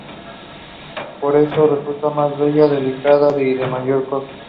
Por eso, resulta más bella, delicada y de mayor coste.